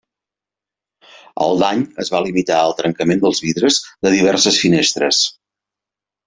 El dany es va limitar al trencament dels vidres de diverses finestres.